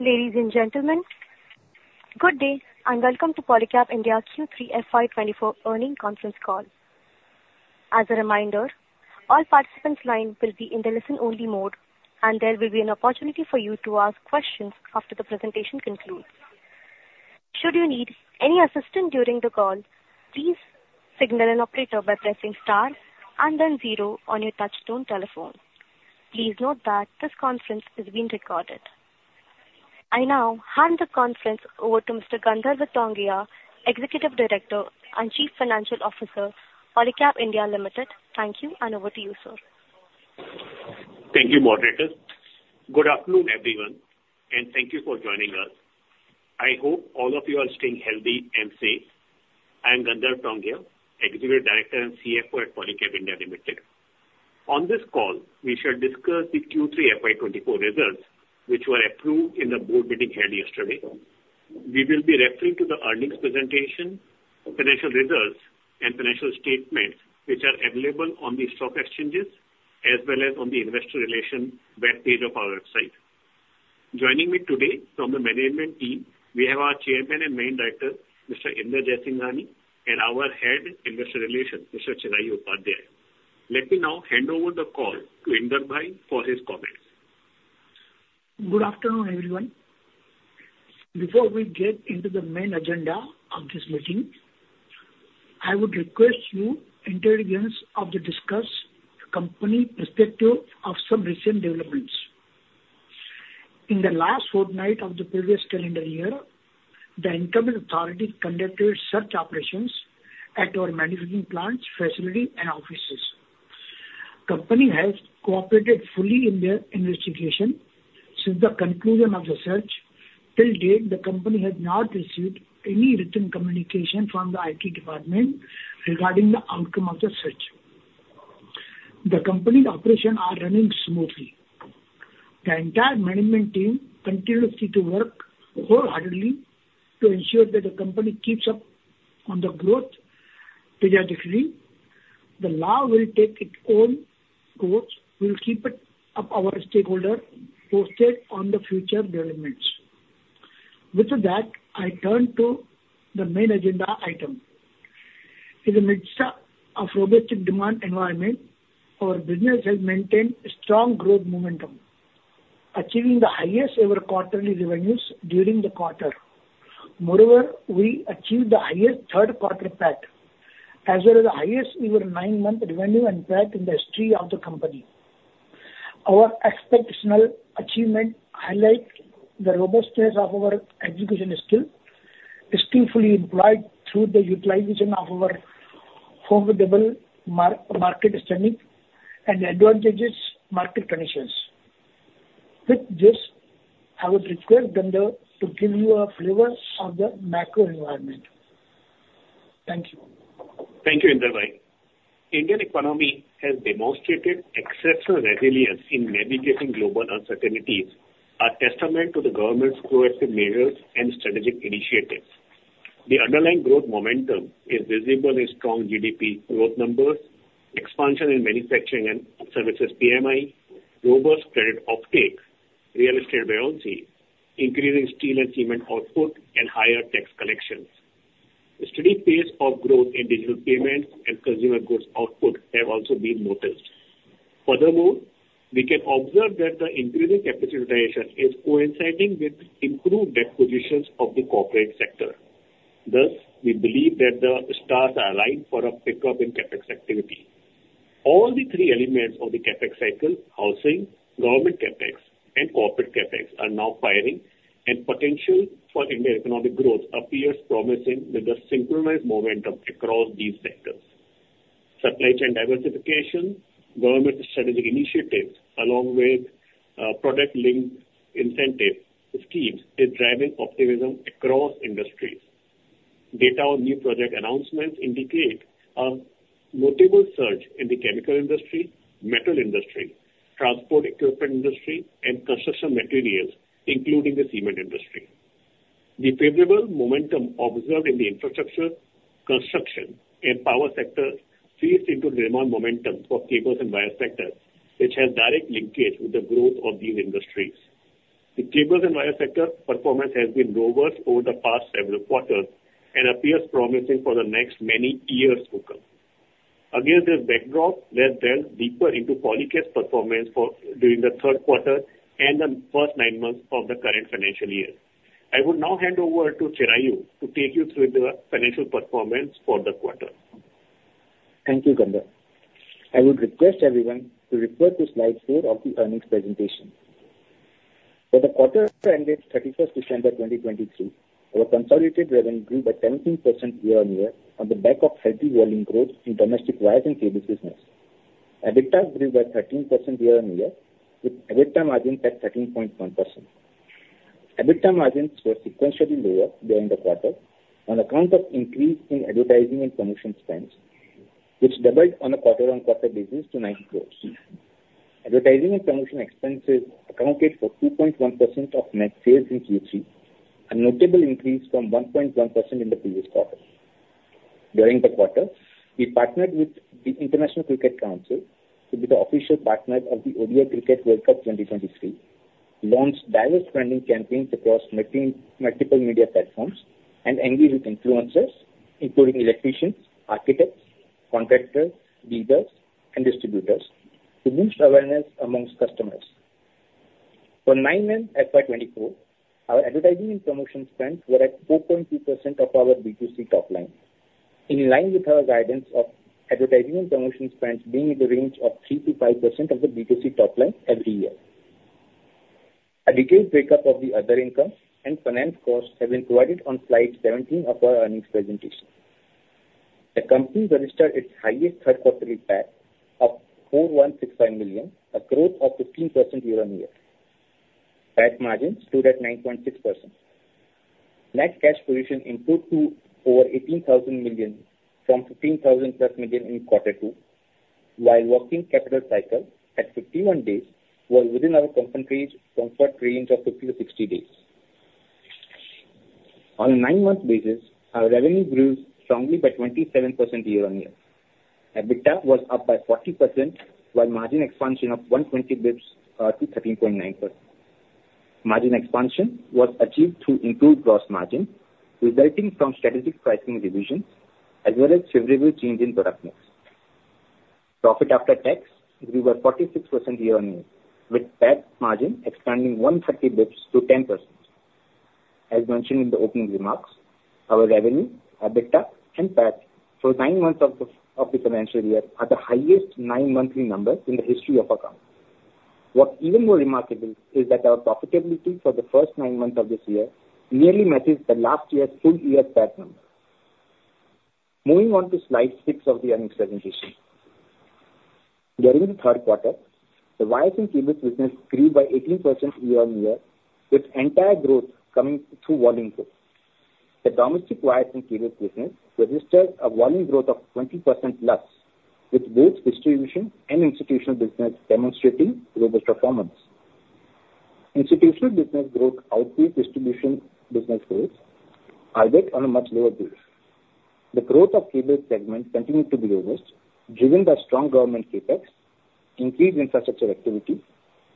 Ladies and gentlemen, good day, and welcome to Polycab India Q3 FY24 earnings conference call. As a reminder, all participants' lines will be in the listen-only mode, and there will be an opportunity for you to ask questions after the presentation concludes. Should you need any assistance during the call, please signal an operator by pressing star and then zero on your touchtone telephone. Please note that this conference is being recorded. I now hand the conference over to Mr. Gandharv Tongia, Executive Director and Chief Financial Officer, Polycab India Limited. Thank you, and over to you, sir. Thank you, moderator. Good afternoon, everyone, and thank you for joining us. I hope all of you are staying healthy and safe. I am Gandharv Tongia, Executive Director and CFO at Polycab India Limited. On this call, we shall discuss the Q3 FY24 results, which were approved in the board meeting held yesterday. We will be referring to the earnings presentation, financial results and financial statements, which are available on the stock exchanges as well as on the investor relation web page of our website. Joining me today from the management team, we have our Chairman and Managing Director, Mr. Inder Jaisinghani, and our Head, Investor Relations, Mr. Chirayu Upadhyaya. Let me now hand over the call to Inderji for his comments. Good afternoon, everyone. Before we get into the main agenda of this meeting, I would like to take a moment to discuss the company's perspective on some recent developments. In the last fortnight of the previous calendar year, the Income Tax authority conducted search operations at our manufacturing plants, facilities, and offices. The company has cooperated fully in their investigation. Since the conclusion of the search, to date, the company has not received any written communication from the IT department regarding the outcome of the search. The company's operations are running smoothly. The entire management team continues to work wholeheartedly to ensure that the company keeps up on the growth trajectory. The law will take its own course. We'll keep our stakeholders posted on the future developments. With that, I turn to the main agenda item. In the midst of robust demand environment, our business has maintained strong growth momentum, achieving the highest ever quarterly revenues during the quarter. Moreover, we achieved the highest third quarter PAT, as well as the highest ever nine-month revenue and PAT in the history of the company. Our exceptional achievement highlight the robustness of our execution skill, skillfully employed through the utilization of our formidable market standing and advantageous market conditions. With this, I would request Gandharv to give you a flavor of the macro environment. Thank you. Thank you, Inderji. Indian economy has demonstrated exceptional resilience in mitigating global uncertainties, a testament to the government's proactive measures and strategic initiatives. The underlying growth momentum is visible in strong GDP growth numbers, expansion in manufacturing and services PMI, robust credit uptake, real estate buoyancy, increasing steel and cement output, and higher tax collections. A steady pace of growth in digital payments and consumer goods output have also been noticed. Furthermore, we can observe that the increasing capitalization is coinciding with improved debt positions of the corporate sector. Thus, we believe that the stars are aligned for a pickup in CapEx activity. All the three elements of the CapEx cycle, housing, government CapEx, and corporate CapEx, are now firing, and potential for India economic growth appears promising with a synchronized momentum across these sectors. Supply chain diversification, government strategic initiatives, along with production linked incentive schemes, is driving optimism across industries. Data on new project announcements indicate a notable surge in the chemical industry, metal industry, transport equipment industry, and construction materials, including the cement industry. The favorable momentum observed in the infrastructure, construction, and power sectors feeds into the demand momentum for cables and wires sector, which has direct linkage with the growth of these industries. The cables and wires sector performance has been robust over the past several quarters and appears promising for the next many years to come. Against this backdrop, let's delve deeper into Polycab's performance during the third quarter and the first nine months of the current financial year. I would now hand over to Chirayu to take you through the financial performance for the quarter. Thank you, Gandharv. I would request everyone to refer to slide four of the earnings presentation. For the quarter ended 31st December 2023, our consolidated revenue grew by 17% year-on-year on the back of healthy volume growth in domestic wires and cables business. EBITDA grew by 13% year-on-year, with EBITDA margin at 13.1%. EBITDA margins were sequentially lower during the quarter on account of increase in advertising and commission spends, which doubled on a quarter-on-quarter basis to 9 crore. Advertising and commission expenses accounted for 2.1% of net sales in Q3, a notable increase from 1.1% in the previous quarter.... During the quarter, we partnered with the International Cricket Council to be the official partner of the ODI Cricket World Cup 2023, launched diverse branding campaigns across multiple media platforms, and engaged with influencers, including electricians, architects, contractors, dealers, and distributors to boost awareness among customers. For nine months, FY 2024, our advertising and promotion spends were at 4.2% of our B2C top line, in line with our guidance of advertising and promotion spends being in the range of 3%-5% of the B2C top line every year. A detailed breakup of the other income and finance costs has been provided on slide 17 of our earnings presentation. The company registered its highest third quarterly PAT of 4,165 million, a growth of 15% year-on-year. PAT margin stood at 9.6%. Net cash position improved to over 18,000 million from 15,000+ million in quarter two, while working capital cycle at 51 days was within our comfort range of 50-60 days. On a nine-month basis, our revenue grew strongly by 27% year-on-year. EBITDA was up by 40%, while margin expansion of 120 basis points to 13.9%. Margin expansion was achieved through improved gross margin, resulting from strategic pricing revisions as well as favorable change in product mix. Profit after tax grew by 46% year-on-year, with PAT margin expanding 130 basis points to 10%. As mentioned in the opening remarks, our revenue, EBITDA, and PAT for nine months of the financial year are the highest nine-monthly numbers in the history of our company. What's even more remarkable is that our profitability for the first nine months of this year nearly matches the last year's full year PAT number. Moving on to slide six of the earnings presentation. During the third quarter, the wires and cables business grew by 18% year-on-year, with entire growth coming through volume growth. The domestic wires and cables business registered a volume growth of 20% plus, with both distribution and institutional business demonstrating robust performance. Institutional business growth outperformed distribution business growth, albeit on a much lower base. The growth of cable segment continued to be robust, driven by strong government CapEx, increased infrastructure activity,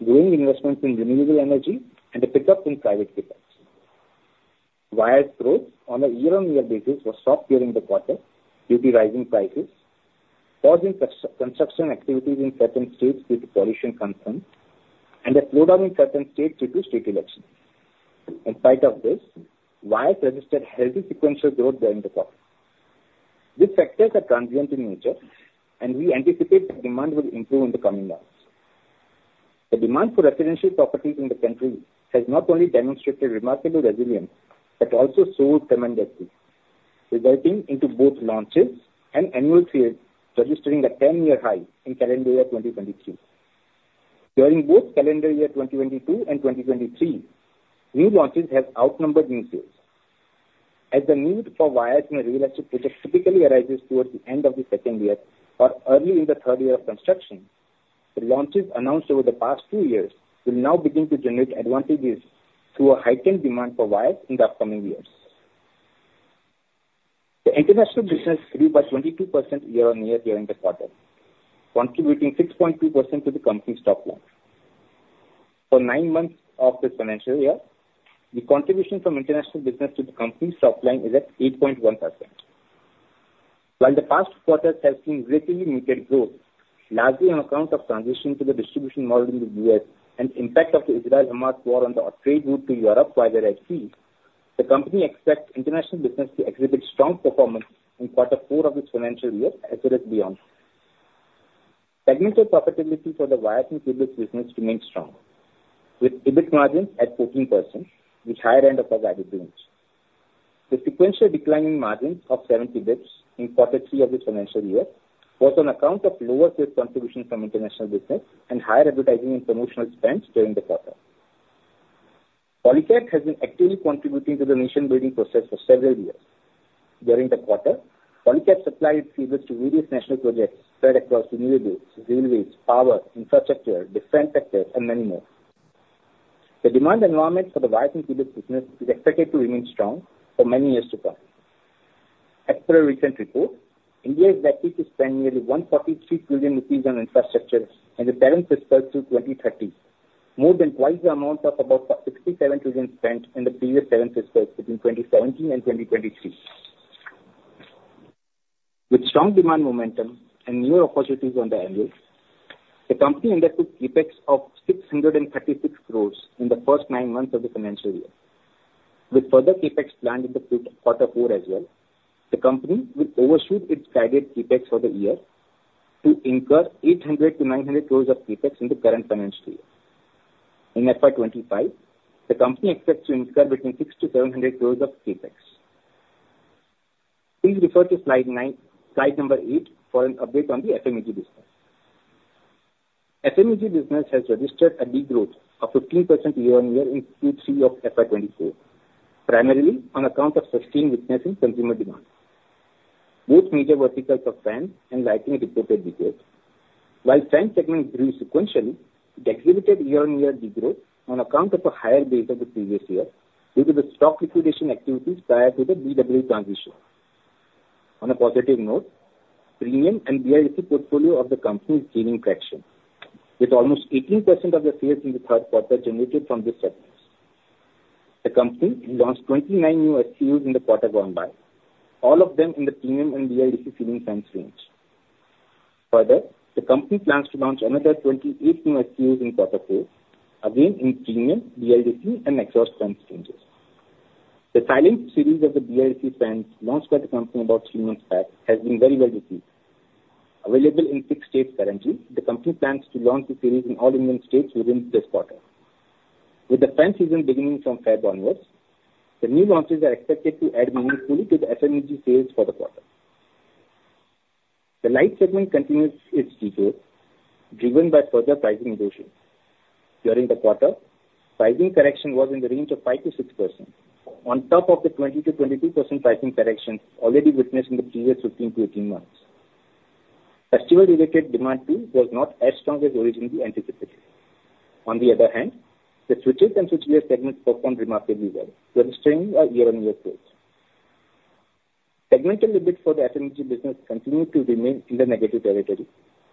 growing investments in renewable energy, and a pickup in private CapEx. Wires growth on a year-on-year basis was soft during the quarter due to rising prices, pausing construction activities in certain states due to pollution concerns, and a slowdown in certain states due to state elections. In spite of this, wires registered healthy sequential growth during the quarter. These factors are transient in nature, and we anticipate that demand will improve in the coming months. The demand for residential properties in the country has not only demonstrated remarkable resilience but also grew tremendously, resulting into both launches and annual sales registering a 10-year high in calendar year 2023. During both calendar year 2022 and 2023, new launches have outnumbered new sales. As the need for wires in a real estate project typically arises towards the end of the second year or early in the third year of construction, the launches announced over the past two years will now begin to generate advantages through a heightened demand for wires in the upcoming years. The international business grew by 22% year-on-year during the quarter, contributing 6.2% to the company's top line. For nine months of this financial year, the contribution from international business to the company's top line is at 8.1%. While the past quarter has seen relatively muted growth, largely on account of transition to the distribution model in the U.S. and impact of the Israel-Hamas war on the trade route to Europe via the Red Sea, the company expects international business to exhibit strong performance in quarter four of this financial year as well as beyond. Segmented profitability for the wires and cables business remains strong, with EBIT margin at 14%, with higher end of our guided range. The sequential decline in margins of 70 basis points in quarter three of the financial year was on account of lower sales contribution from international business and higher advertising and promotional spends during the quarter. Polycab has been actively contributing to the nation building process for several years. During the quarter, Polycab supplied cables to various national projects spread across renewables, railways, power, infrastructure, defense sector, and many more. The demand environment for the wires and cables business is expected to remain strong for many years to come. As per a recent report, India is likely to spend nearly 143 trillion rupees on infrastructure in the current fiscal through 2030, more than twice the amount of about 67 trillion spent in the previous seven fiscals between 2017 and 2023. With strong demand momentum and new opportunities on the anvil, the company undertook CapEx of 636 crore in the first nine months of the financial year. With further CapEx planned in quarter four as well, the company will overshoot its guided CapEx for the year to incur 800 crore-900 crore of CapEx in the current financial year. In FY 2025, the company expects to incur between 600 crore-700 crore of CapEx. Please refer to slide nine, slide number eight for an update on the FMEG business. FMEG business has registered a big growth of 15% year-on-year in Q3 of FY 2024, primarily on account of sustained witnessing consumer demand. Both major verticals of fans and lighting reported growth. While fan segment grew sequentially, it activated year-on-year degrowth on account of a higher base of the previous year due to the stock liquidation activities prior to the BW transition. On a positive note, premium and BLDC portfolio of the company is gaining traction, with almost 18% of the sales in the third quarter generated from this segment. The company launched 29 new SKUs in the quarter gone by, all of them in the premium and BLDC ceiling fans range. Further, the company plans to launch another 28 new SKUs in quarter four, again, in premium, BLDC and exhaust fan ranges. The Silencio series of the BLDC fans launched by the company about three months back has been very well received. Available in six states currently, the company plans to launch the series in all Indian states within this quarter. With the fan season beginning from February onwards, the new launches are expected to add meaningfully to the FMEG sales for the quarter. The lighting segment continues its decline, driven by further pricing erosion. During the quarter, pricing correction was in the range of 5%-6%, on top of the 20%-22% pricing correction already witnessed in the previous 15-18 months. Festival-related demand too, was not as strong as originally anticipated. On the other hand, the switches and switchgears segment performed remarkably well, registering a year-on-year growth. Segmental EBITDA for the FMEG business continued to remain in the negative territory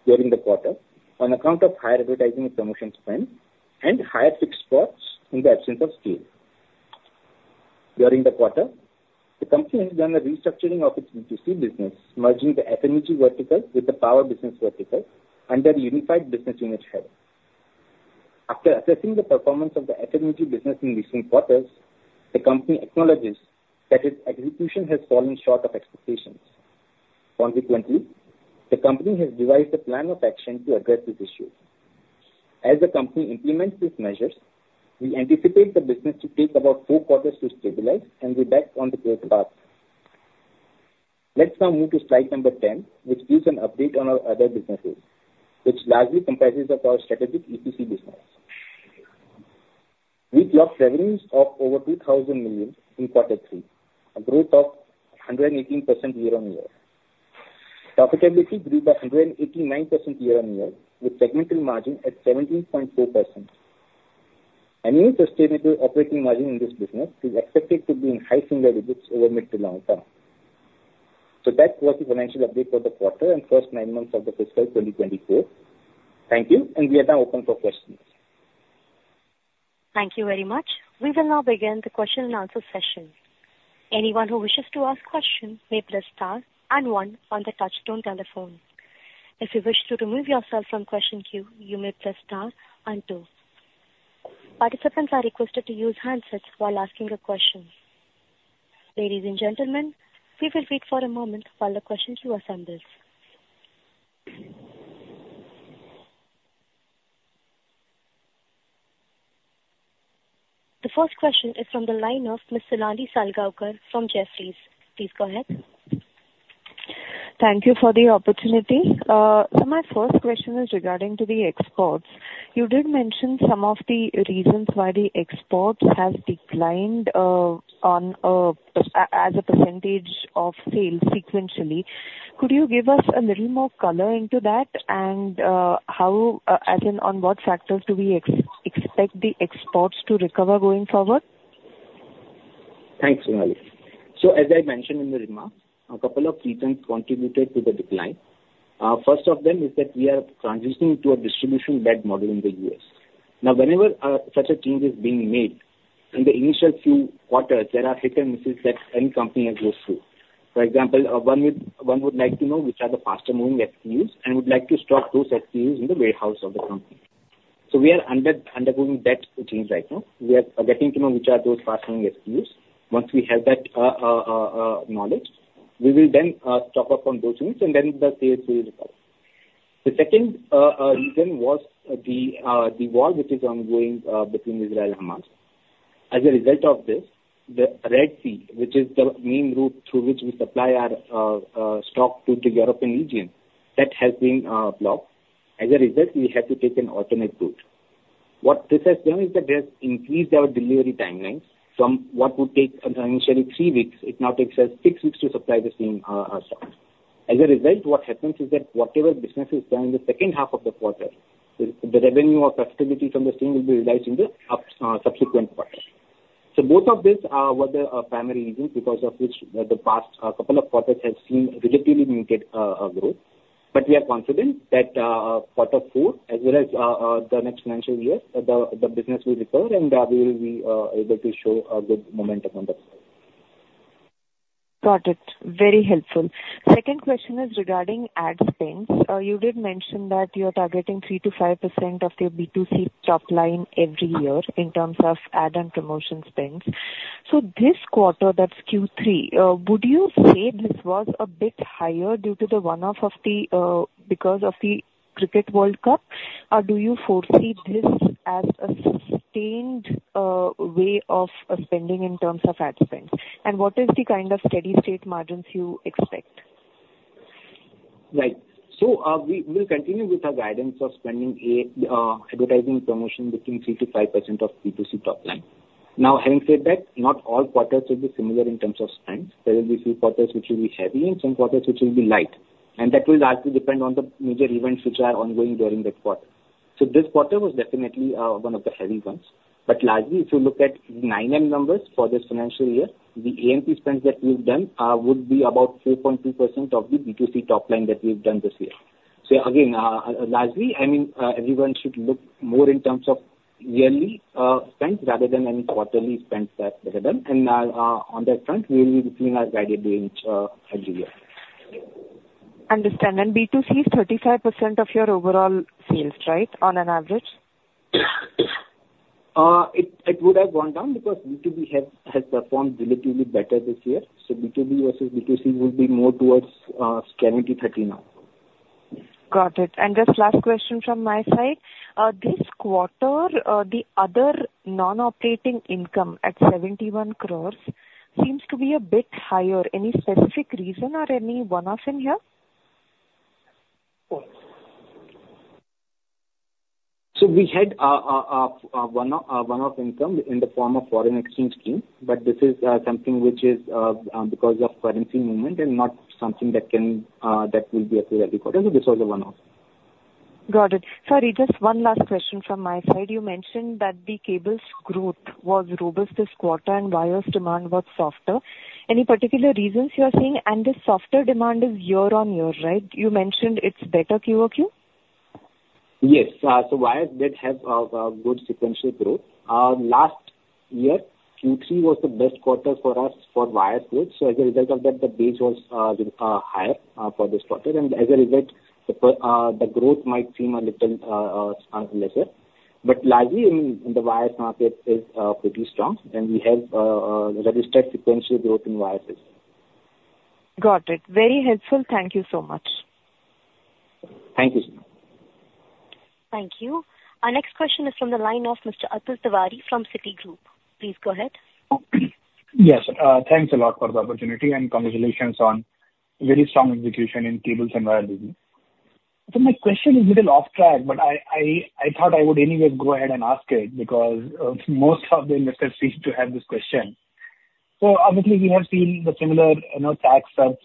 during the quarter on account of higher advertising and promotion spend and higher fixed costs in the absence of scale. During the quarter, the company has done a restructuring of its B2C business, merging the FMEG vertical with the power business vertical under unified business unit head. After assessing the performance of the FMEG business in recent quarters, the company acknowledges that its execution has fallen short of expectations. Consequently, the company has devised a plan of action to address this issue. As the company implements these measures, we anticipate the business to take about four quarters to stabilize and be back on the growth path. Let's now move to slide number 10, which gives an update on our other businesses, which largely comprises of our strategic EPC business. We locked revenues of over 2,000 million in quarter three, a growth of 118% year-on-year. Profitability grew by 189% year-on-year, with segmental margin at 17.2%. A new sustainable operating margin in this business is expected to be in high single digits over mid- to long-term. That was the financial update for the quarter and first nine months of the fiscal 2024. Thank you, and we are now open for questions. Thank you very much. We will now begin the question and answer session. Anyone who wishes to ask question may press star and one on the touchtone telephone. If you wish to remove yourself from question queue, you may press star and two. Participants are requested to use handsets while asking your questions. Ladies and gentlemen, we will wait for a moment while the questions queue assembles. The first question is from the line of Ms. Sonali Salgaonkar from Jefferies. Please go ahead. Thank you for the opportunity. So my first question is regarding to the exports. You did mention some of the reasons why the exports have declined, on, as a percentage of sales sequentially. Could you give us a little more color into that and, how, as in on what factors do we expect the exports to recover going forward? Thanks, Sonali. So, as I mentioned in the remarks, a couple of reasons contributed to the decline. First of them is that we are transitioning to a distribution-led model in the U.S. Now, whenever such a change is being made, in the initial few quarters, there are hits and misses that any company goes through. For example, one would like to know which are the faster moving SKUs and would like to stock those SKUs in the warehouse of the company. So we are undergoing that change right now. We are getting to know which are those fast-moving SKUs. Once we have that knowledge, we will then stock up on those units, and then the sales will recover. The second reason was the war, which is ongoing, between Israel and Hamas. As a result of this, the Red Sea, which is the main route through which we supply our stock to the European region, that has been blocked. As a result, we had to take an alternate route. What this has done is that they have increased our delivery timelines from what would take initially three weeks; it now takes us six weeks to supply the same stock. As a result, what happens is that whatever business is done in the second half of the quarter, the revenue or profitability from the same will be realized in the subsequent quarter. So both of these were the primary reasons because of which the past couple of quarters have seen relatively limited growth. But we are confident that quarter four, as well as the next financial year, the business will recover and that we will be able to show a good momentum on the forward. Got it. Very helpful. Second question is regarding ad spends. You did mention that you're targeting 3%-5% of your B2C top line every year in terms of ad and promotion spends. So this quarter, that's Q3, would you say this was a bit higher due to the one-off because of the Cricket World Cup? Or do you foresee this as a sustained way of spending in terms of ad spends? And what is the kind of steady-state margins you expect? Right. So, we will continue with our guidance of spending a advertising promotion between 3%-5% of B2C top line. Now, having said that, not all quarters will be similar in terms of spend. There will be few quarters which will be heavy and some quarters which will be light, and that will largely depend on the major events which are ongoing during that quarter. So this quarter was definitely one of the heavy ones. But largely, if you look at nine-month numbers for this financial year, the AMP spend that we've done would be about 3.2% of the B2C top line that we've done this year. So again, largely, I mean, everyone should look more in terms of yearly spend rather than any quarterly spends that we have done. On that front, we will be within our guided range every year. Understand. B2C is 35% of your overall sales, right, on an average? It would have gone down because B2B has performed relatively better this year, so B2B versus B2C will be more towards 70/30 now. Got it. Just last question from my side. This quarter, the other non-operating income at 71 crore seems to be a bit higher. Any specific reason or any one-offs in here? So we had one-off income in the form of foreign exchange gain, but this is something which is because of currency movement and not something that will be a regular occurrence. This was a one-off. Got it. Sorry, just one last question from my side. You mentioned that the cables growth was robust this quarter and wires demand was softer. Any particular reasons you are seeing? And the softer demand is year on year, right? You mentioned it's better Q-over-Q. Yes. So wires did have good sequential growth. Last year, Q3 was the best quarter for us for wire growth. So as a result of that, the base was higher for this quarter, and as a result, the growth might seem a little lesser. But largely, I mean, the wires market is pretty strong, and we have registered sequential growth in wires. Got it. Very helpful. Thank you so much. Thank you. Thank you. Our next question is from the line of Mr. Atul Tiwari from Citigroup. Please go ahead. Yes. Thanks a lot for the opportunity, and congratulations on very strong execution in cables and wires. So my question is little off track, but I thought I would anyway go ahead and ask it, because most of the investors seem to have this question. So obviously, we have seen the similar, you know, tax search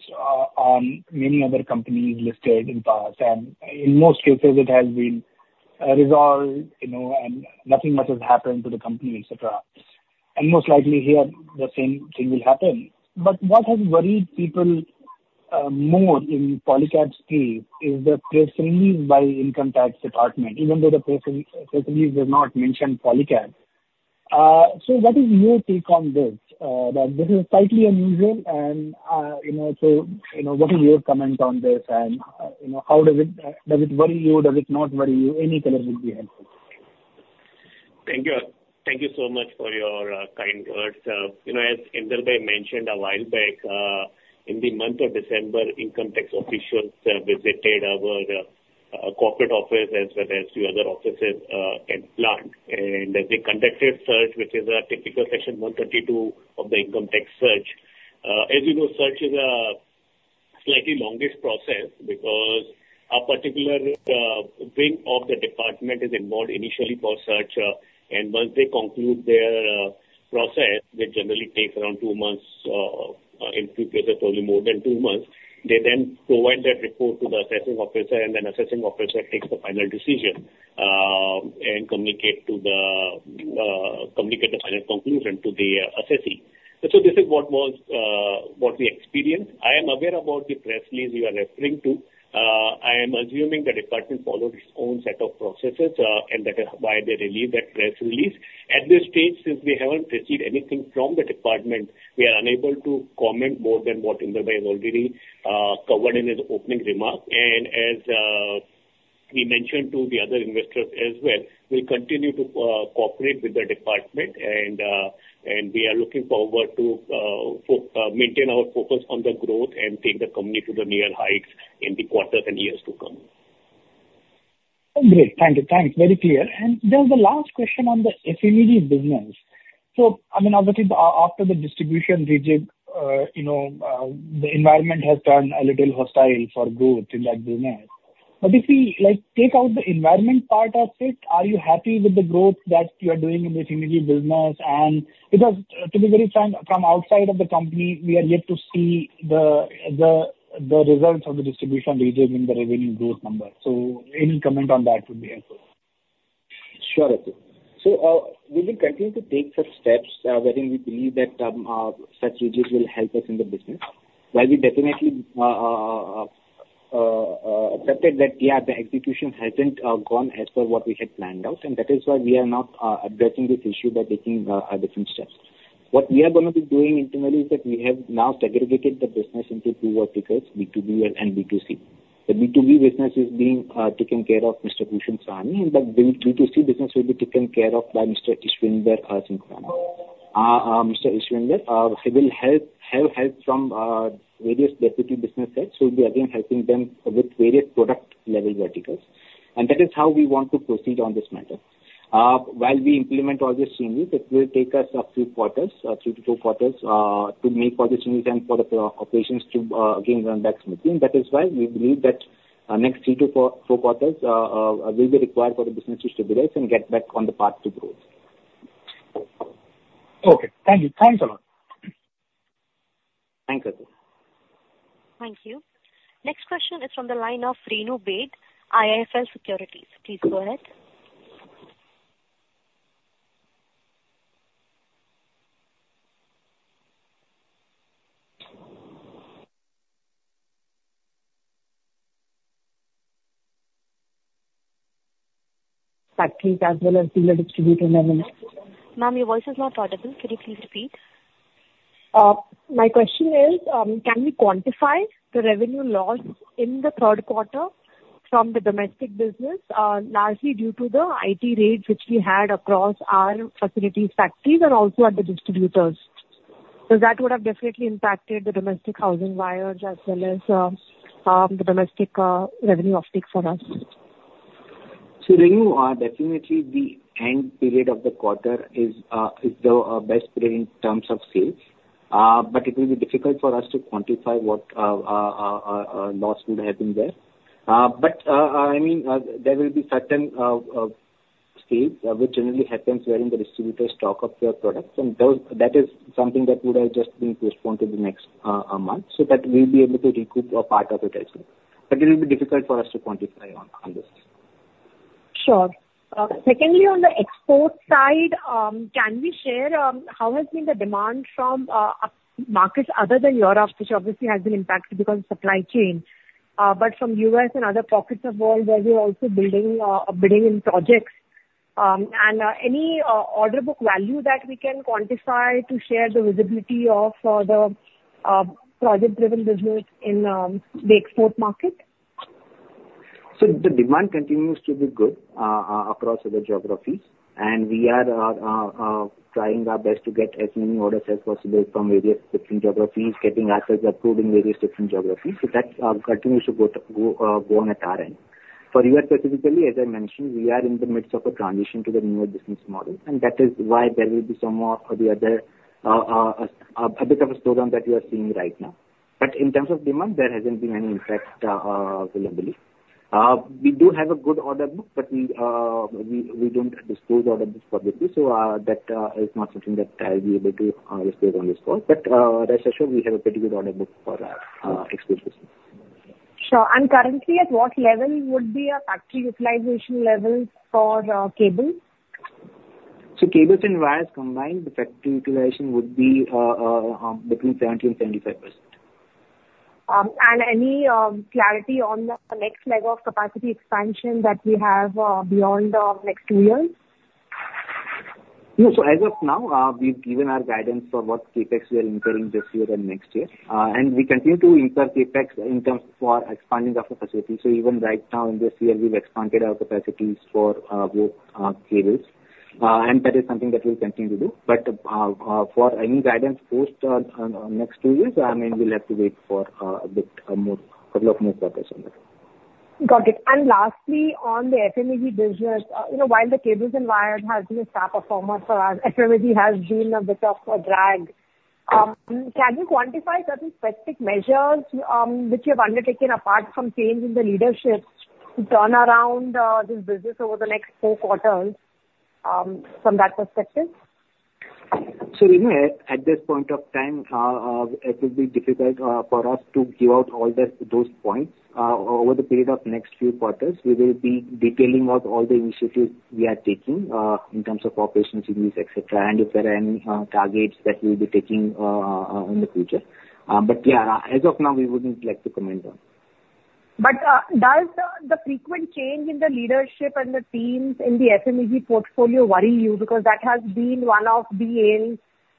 on many other companies listed in the past, and in most cases, it has been resolved, you know, and nothing much has happened to the company, et cetera. And most likely here, the same thing will happen. But what has worried people more in Polycab's case is the press release by Income Tax Department, even though the press release does not mention Polycab. So what is your take on this? That this is slightly unusual and, you know, so, you know, what is your comment on this and, you know, how does it... does it worry you? Does it not worry you? Any color would be helpful. Thank you. Thank you so much for your kind words. You know, as Inder Jaisinghani mentioned a while back, in the month of December, income tax officials visited our corporate office as well as few other offices and plant. And they conducted search, which is a typical Section 132 of the income tax search. As you know, search is a slightly longest process because a particular wing of the department is involved initially for search, and once they conclude their process, which generally takes around two months, in few cases, probably more than two months, they then provide that report to the assessing officer, and then assessing officer takes the final decision, and communicate to the communicate the final conclusion to the assessee. So this is what was what we experienced. I am aware about the press release you are referring to. I am assuming the department followed its own set of processes, and that is why they released that press release. At this stage, since we haven't received anything from the department, we are unable to comment more than what Inder Jaisinghani has already covered in his opening remarks. And as he mentioned to the other investors as well, we continue to cooperate with the department, and and we are looking forward to maintain our focus on the growth and take the company to the new heights in the quarters and years to come. Great. Thank you. Thanks. Very clear. And then the last question on the FMEG business. So, I mean, obviously, after the distribution rejig, you know, the environment has turned a little hostile for growth in that business. But if we, like, take out the environment part of it, are you happy with the growth that you are doing in the FMEG business? And because, typically from outside of the company, we are yet to see the results of the distribution rejig in the revenue growth numbers. So any comment on that would be helpful. Sure, Atul. So, we will continue to take such steps, wherein we believe that such rejigs will help us in the business. While we definitely accepted that, yeah, the execution hasn't gone as per what we had planned out, and that is why we are now addressing this issue by taking different steps. What we are gonna be doing internally is that we have now segregated the business into two verticals, B2B and B2C. The B2B business is being taken care of by Mr. Bhushan Sawhney, but the B2C business will be taken care of by Mr. Ishwinder Singh Khurana. Mr. Ishwinder, he will have help from various deputy business heads, who will be again helping them with various product-level verticals. That is how we want to proceed on this matter. While we implement all these changes, it will take us a few quarters, 3-4 quarters, to make all the changes and for the operations to again run back smoothly. That is why we believe that next 3-4, four quarters will be required for the business to stabilize and get back on the path to growth. Okay, thank you. Thanks a lot! Thanks, Atul. Thank you. Next question is from the line of Renu Baid, IIFL Securities. Please go ahead. Factories as well as dealer distributor level. Ma'am, your voice is not audible. Could you please repeat? My question is, can we quantify the revenue loss in the third quarter from the domestic business, largely due to the IT raids which we had across our facilities, factories, and also at the distributors? Because that would have definitely impacted the domestic housing wires as well as the domestic revenue offtake for us. So Renu, definitely the end period of the quarter is the best period in terms of sales. But it will be difficult for us to quantify what loss would have been there. But I mean, there will be certain stage which generally happens during the distributor stock of your products, and that is something that would have just been postponed to the next month. So that we'll be able to recoup a part of it, I think. But it will be difficult for us to quantify on this. Sure. Secondly, on the export side, can we share how has been the demand from U.S. markets other than Europe, which obviously has been impacted because of supply chain? But from U.S. and other pockets of world where we're also bidding in projects. And any order book value that we can quantify to share the visibility of the project-driven business in the export market? So the demand continues to be good across other geographies, and we are trying our best to get as many orders as possible from various different geographies, getting access approved in various different geographies. So that continues to go on at our end. For U.S. specifically, as I mentioned, we are in the midst of a transition to the newer business model, and that is why there will be some more or the other, a bit of a slowdown that you are seeing right now. But in terms of demand, there hasn't been any impact visibly. We do have a good order book, but we don't disclose order books publicly, so that is not something that I'll be able to disclose on this call. Rest assured, we have a pretty good order book for our export business. Sure. And currently, at what level would be a factory utilization level for cable? Cables and wires combined, the factory utilization would be between 70% and 75%. Any clarity on the next leg of capacity expansion that we have beyond the next two years? Yeah. So as of now, we've given our guidance for what CapEx we are incurring this year and next year. And we continue to incur CapEx in terms for expanding of our facilities. So even right now in this year, we've expanded our capacities for, both, cables. And that is something that we'll continue to do. But, for any guidance post, next two years, I mean, we'll have to wait for, a bit, more, couple of more quarters on that. Got it. And lastly, on the FMEG business, you know, while the cables and wires has been a star performer for us, FMEG has been a bit of a drag. Can you quantify certain specific measures, which you have undertaken apart from change in the leadership, to turn around this business over the next four quarters, from that perspective? So Renu, at this point of time, it will be difficult for us to give out all those points. Over the period of next few quarters, we will be detailing out all the initiatives we are taking in terms of operational changes, et cetera, and if there are any targets that we'll be taking in the future. But yeah, as of now, we wouldn't like to comment on. But, does the frequent change in the leadership and the teams in the FMEG portfolio worry you? Because that has been one of the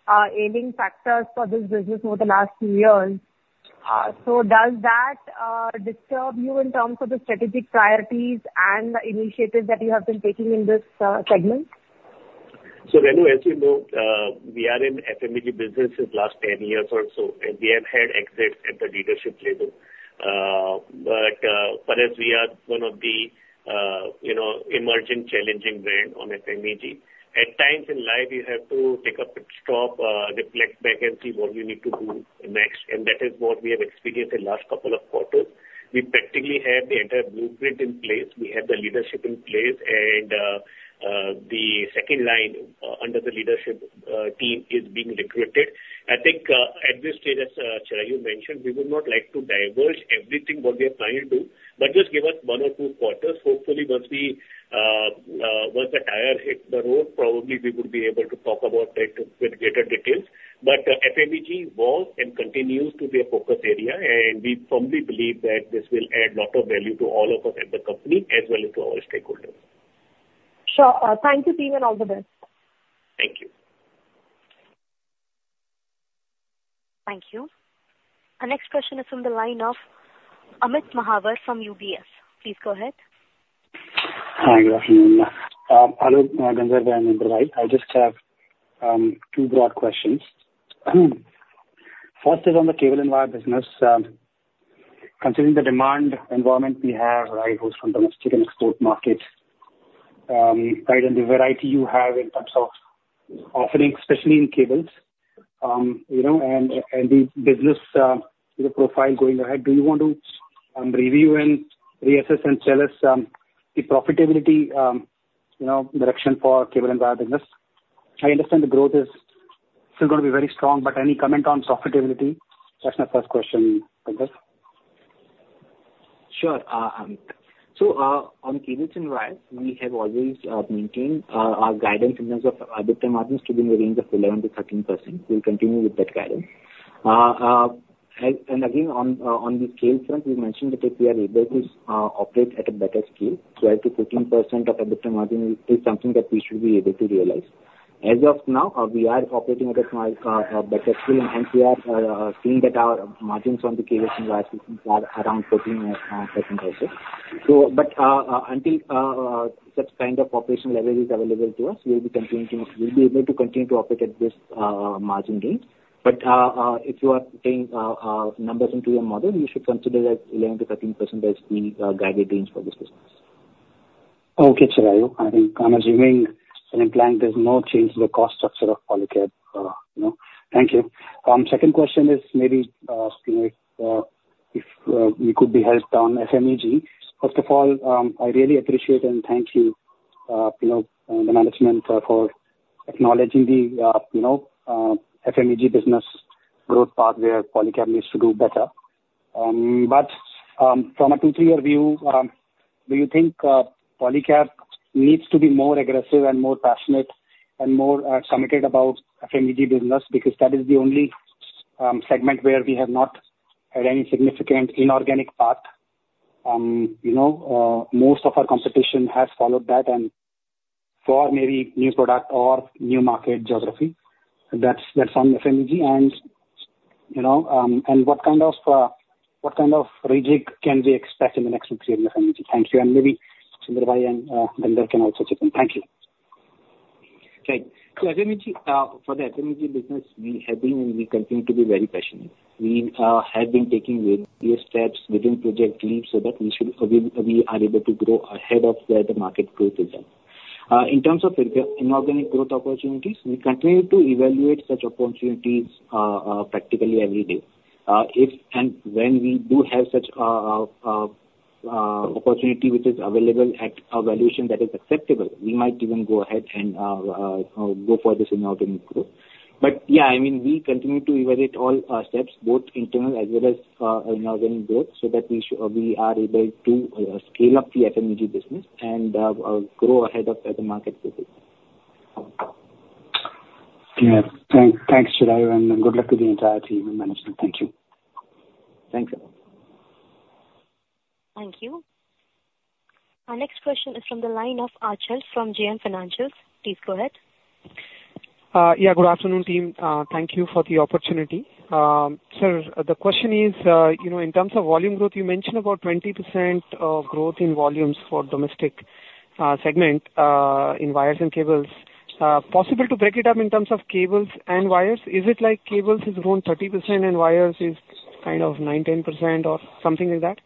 alarming factors for this business over the last two years. So does that disturb you in terms of the strategic priorities and the initiatives that you have been taking in this segment? So Renu, as you know, we are in FMEG business since last 10 years or so, and we have had exits at the leadership level. But as we are one of the, you know, emerging challenging brand on FMEG, at times in life, you have to take a pit stop, reflect back and see what we need to do next, and that is what we have experienced in last couple of quarters. We practically have the entire blueprint in place. We have the leadership in place, and the second line under the leadership team is being recruited. I think at this stage, as Chirayu mentioned, we would not like to diverge everything what we are planning to, but just give us one or two quarters. Hopefully, once the tire hit the road, probably we would be able to talk about that with greater details. But FMEG was and continues to be a focus area, and we firmly believe that this will add a lot of value to all of us at the company as well as to our stakeholders. Sure. Thank you, team, and all the best. Thank you. Thank you. Our next question is from the line of Amit Mahawar from UBS. Please go ahead. Hi, good afternoon. Amit Mahawar, I'm in Mumbai. I just have two broad questions. First is on the cable and wire business. Considering the demand environment we have, right, both from domestic and export markets, right on the variety you have in terms of offerings, especially in cables, you know, and the business, you know, profile going ahead, do you want to review and reassess and tell us the profitability, you know, direction for cable and wire business? I understand the growth is still going to be very strong, but any comment on profitability? That's my first question, Gandharv. Sure. So, on cables and wires, we have always maintained our guidance in terms of EBITDA margins to be in the range of 11%-13%. We'll continue with that guidance. And, and again, on the scale front, we mentioned that if we are able to operate at a better scale, 12%-15% of EBITDA margin is something that we should be able to realize. As of now, we are operating at a small, a better scale, and we are seeing that our margins on the cables and wires business are around 13% also. So, but, until such kind of operational leverage is available to us, we'll be continuing to-- we'll be able to continue to operate at this margin range. If you are putting numbers into your model, you should consider that 11%-13% as the guided range for this business. Okay, Chirayu. I think I'm assuming and implying there's no change in the cost structure of Polycab, you know? Thank you. Second question is maybe, you know, if we could be helped on FMEG. First of all, I really appreciate and thank you, you know, the management for acknowledging the, you know, FMEG business growth path, where Polycab needs to do better. But from a two-year view, do you think, Polycab needs to be more aggressive and more passionate and more committed about FMEG business? Because that is the only segment where we have not had any significant inorganic path. You know, most of our competition has followed that, and for maybe new product or new market geography, that's on FMEG. And, you know, what kind of rejig can we expect in the next 2-3 years in FMEG? Thank you, and maybe Sundarrai and Ganesh can also chip in. Thank you. Thank you. So FMEG, for the FMEG business, we have been, and we continue to be very passionate. We have been taking various steps within Project Leap so that we should be, we are able to grow ahead of where the market growth is at. In terms of inorganic growth opportunities, we continue to evaluate such opportunities, practically every day. If and when we do have such opportunity, which is available at a valuation that is acceptable, we might even go ahead and, you know, go for this inorganic growth. But yeah, I mean, we continue to evaluate all our steps, both internal as well as, inorganic growth, so that we are able to, scale up the FMEG business and, grow ahead of the market business. Yeah. Thanks, Chirayu, and good luck to the entire team and management. Thank you. Thanks. Thank you. Our next question is from the line of Achal from JM Financial. Please go ahead. Yeah, good afternoon, team. Thank you for the opportunity. Sir, the question is, you know, in terms of volume growth, you mentioned about 20% of growth in volumes for domestic segment, in wires and cables. Possible to break it up in terms of cables and wires? Is it like cables has grown 30% and wires is kind of 9%-10% or something like that?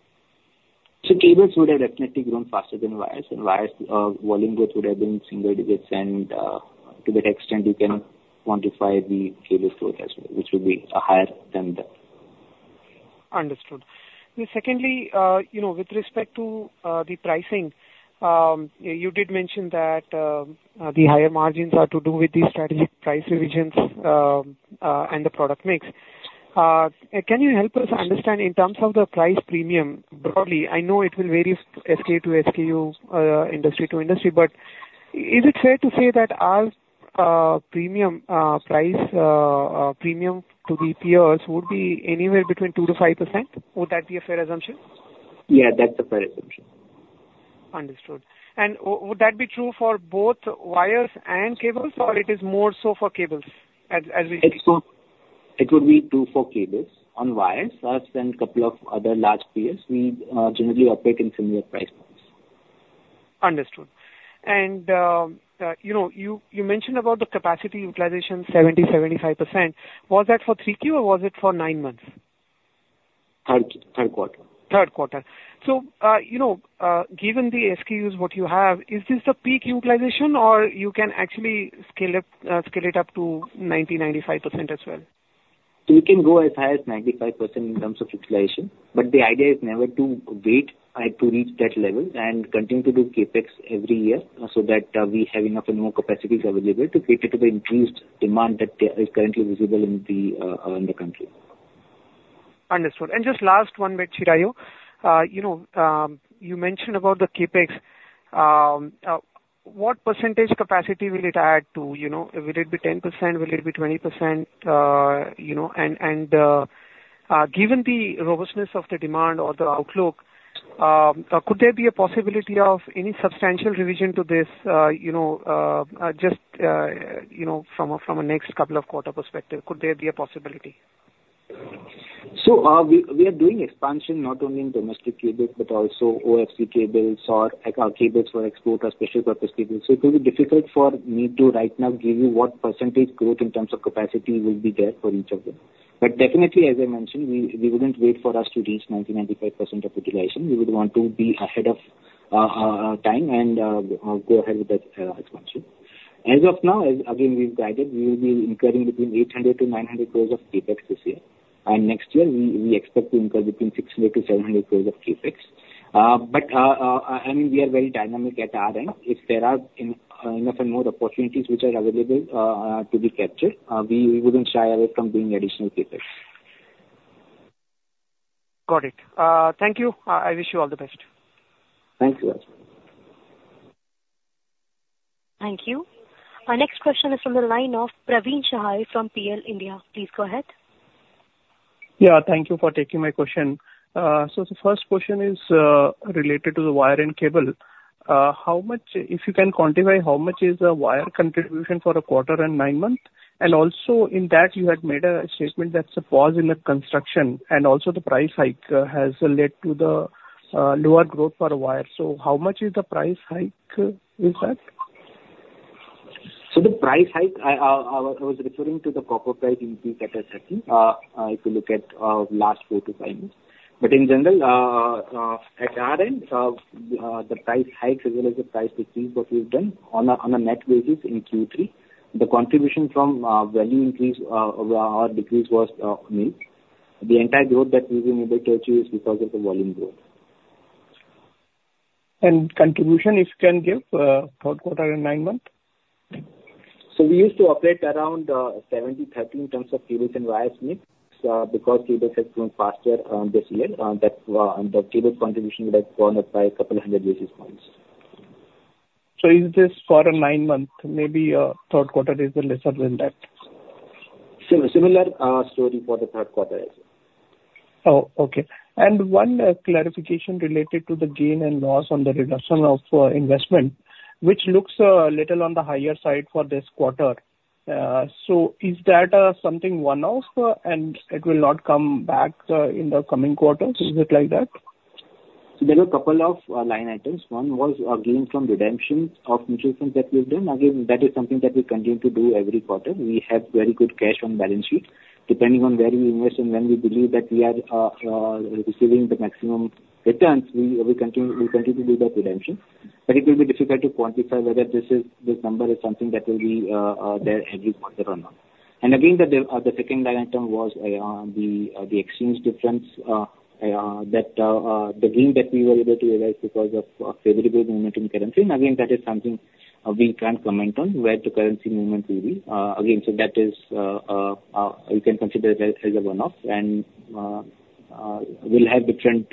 Cables would have definitely grown faster than wires, and wires, volume growth would have been single digits. To that extent, you can quantify the cable growth as well, which will be higher than that. Understood. Secondly, you know, with respect to the pricing, you did mention that the higher margins are to do with the strategic price revisions and the product mix. Can you help us understand in terms of the price premium broadly? I know it will vary SKU to SKU, industry to industry, but is it fair to say that our premium price premium to the peers would be anywhere between 2%-5%? Would that be a fair assumption? Yeah, that's a fair assumption. Understood. Would that be true for both wires and cables, or it is more so for cables as we- It would be true for cables. On wires, us and a couple of other large peers, we generally operate in similar price points. Understood. You know, you mentioned about the capacity utilization 70%-75%. Was that for Q3 or was it for nine months? Third quarter. Third quarter. So, you know, given the SKUs what you have, is this the peak utilization or you can actually scale up, scale it up to 90%-95% as well? So we can go as high as 95% in terms of utilization, but the idea is never to wait to reach that level and continue to do CapEx every year, so that we have enough and more capacities available to cater to the increased demand that is currently visible in the country. Understood. And just last one, Chirayu. You know, you mentioned about the CapEx. What percentage capacity will it add to, you know? Will it be 10%, will it be 20%? You know, and, given the robustness of the demand or the outlook, could there be a possibility of any substantial revision to this, you know, just, you know, from a, from a next couple of quarter perspective, could there be a possibility? So, we are doing expansion not only in domestic cables, but also OFC cables or cables for export or special purpose cables. So it will be difficult for me to right now give you what percentage growth in terms of capacity will be there for each of them. But definitely, as I mentioned, we wouldn't wait for us to reach 90%, 95% of utilization. We would want to be ahead of time and go ahead with that expansion. As of now, as again, we've guided, we will be incurring between 800 crores-900 crores of CapEx this year. And next year, we expect to incur between 600 crores-700 crores of CapEx. But, I mean, we are very dynamic at our end. If there are enough and more opportunities which are available, to be captured, we wouldn't shy away from doing additional CapEx. Got it. Thank you. I wish you all the best. Thank you. Thank you. Our next question is from the line of Praveen Sahay from PL India. Please go ahead. Yeah, thank you for taking my question. So the first question is related to the wire and cable. How much, if you can quantify, how much is the wire contribution for a quarter and nine month? And also, in that, you had made a statement that's a pause in the construction and also the price hike has led to the lower growth for wire. So how much is the price hike in that? So the price hike, I was referring to the copper price increase that has happened, if you look at last 4-5 months. But in general, at our end, the price hikes as well as the price decrease that we've done on a net basis in Q3, the contribution from value increase or decrease was nil. The entire growth that we've been able to achieve is because of the volume growth. Contribution, if you can give, third quarter and nine month? We used to operate around 70-30 in terms of cables and wires mix. Because cables have grown faster this year, the cable contribution has gone up by a couple hundred basis points. So is this for a nine-month, maybe, third quarter is lesser than that? Similar story for the third quarter as well. Oh, okay. One clarification related to the gain and loss on the reduction of investment, which looks little on the higher side for this quarter. So is that something one-off, and it will not come back in the coming quarters? Is it like that? So there are a couple of line items. One was a gain from redemption of mutual funds that we've done. Again, that is something that we continue to do every quarter. We have very good cash on balance sheet. Depending on where we invest and when we believe that we are receiving the maximum returns, we continue to do the redemption. But it will be difficult to quantify whether this number is something that will be there every quarter or not. And again, the second line item was the exchange difference, the gain that we were able to realize because of a favorable movement in currency. And again, that is something we can't comment on, where the currency movement will be. Again, so that is, you can consider it as a one-off, and we'll have different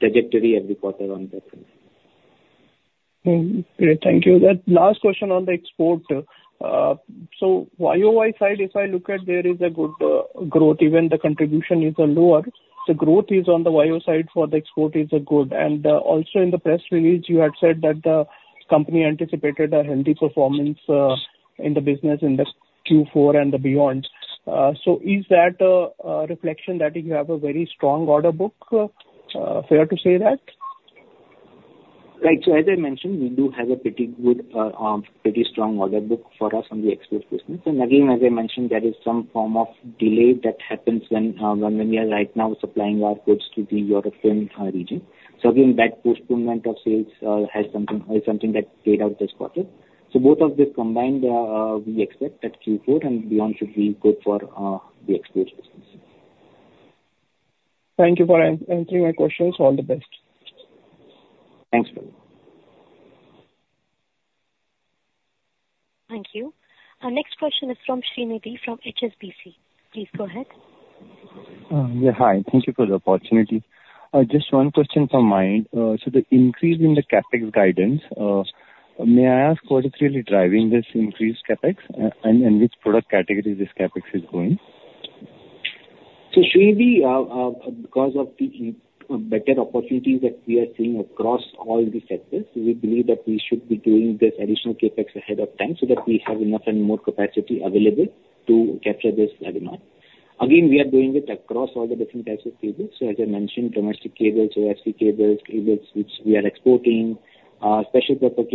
trajectory every quarter on that one. Mm. Great, thank you. The last question on the export. So YOY side, if I look at, there is a good, growth, even the contribution is lower. The growth is on the YOY side for the export is good. And, also in the press release, you had said that the company anticipated a healthy performance, in the business in the Q4 and beyond. So is that, a reflection that you have a very strong order book, fair to say that? Right. So as I mentioned, we do have a pretty good, pretty strong order book for us on the export business. And again, as I mentioned, there is some form of delay that happens when we are right now supplying our goods to the European region. So again, that postponement of sales has something, is something that played out this quarter. So both of these combined, we expect that Q4 and beyond should be good for the export business. Thank you for answering my questions. All the best. Thanks. Thank you. Our next question is from Srinidhi from HSBC. Please go ahead. Yeah, hi. Thank you for the opportunity. Just one question from my end. So the increase in the CapEx guidance, may I ask what is really driving this increased CapEx? And which product category this CapEx is going? So Srinidhi, because of the better opportunities that we are seeing across all the sectors, we believe that we should be doing this additional CapEx ahead of time so that we have enough and more capacity available to capture this demand. Again, we are doing it across all the different types of cables. So as I mentioned, domestic cables, OFC cables, cables which we are exporting, special purpose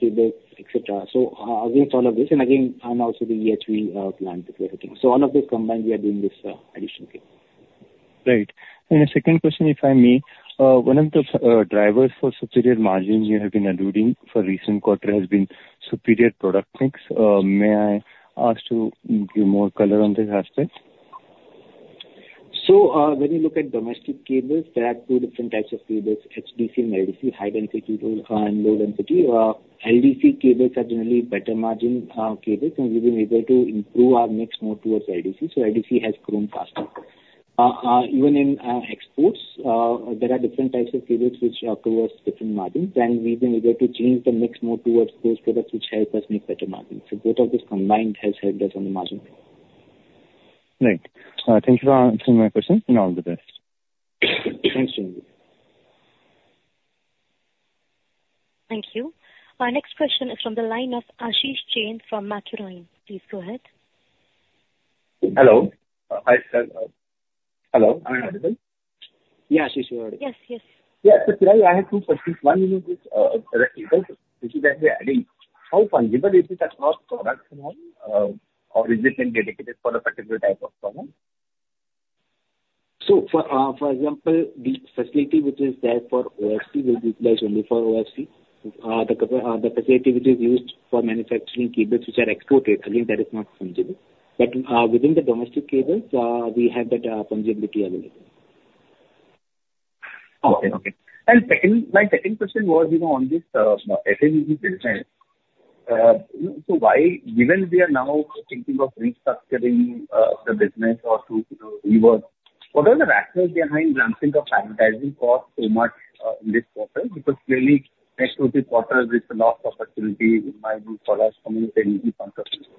cables, et cetera. So, against all of this, and again, and also the EHV plant that we are looking. So all of this combined, we are doing this additional CapEx. Right. And the second question, if I may. One of the drivers for superior margins you have been alluding for recent quarter has been superior product mix. May I ask to give more color on this aspect? So, when you look at domestic cables, there are two different types of cables: HDC and LDC, high density and low density. LDC cables are generally better margin cables, and we've been able to improve our mix more towards LDC, so LDC has grown faster. Even in exports, there are different types of cables which occur towards different margins, and we've been able to change the mix more towards those products which help us make better margins. So both of these combined has helped us on the margin. Right. Thank you for answering my question, and all the best. Thanks, Srinidhi. Thank you. Our next question is from the line of Ashish Jain from Macquarie. Please go ahead. Hello, hi everyone? Yeah, Ashish. Yes, yes. Yeah, so Chirayu, I have two questions. One is, which is actually adding, how fungible is it across products now, or is it been dedicated for a particular type of product? So, for example, the facility which is there for OFC will be utilized only for OFC. The facility which is used for manufacturing cables, which are exported, again, that is not fungible. But, within the domestic cables, we have that fungibility available. Okay, okay. And second, my second question was, you know, on this FMEG business. So why, given we are now thinking of restructuring the business or to, you know, rework, what are the rationale behind ramping up advertising costs so much in this quarter? Because clearly next quarter is a lot of opportunity dollars coming in infrastructure.